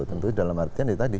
tentu dalam artian di tadi